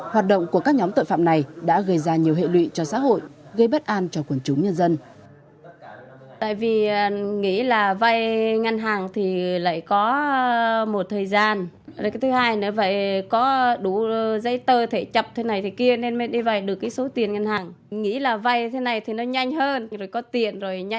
hoạt động của các nhóm tội phạm này đã gây ra nhiều hệ lụy cho xã hội gây bất an cho quần chúng nhân dân